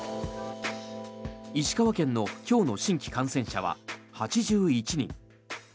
石川県の今日の新規感染者は８１人。